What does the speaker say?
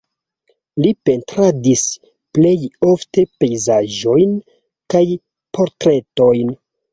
Li pentradis plej ofte pejzaĝojn kaj portretojn.